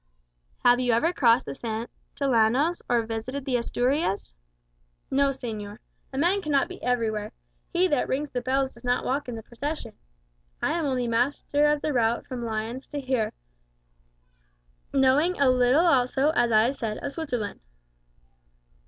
"Have you ever crossed the Santillanos, or visited the Asturias?" "No, señor. A man cannot be everywhere; 'he that rings the bells does not walk in the procession.' I am only master of the route from Lyons here; knowing a little also, as I have said, of Switzerland."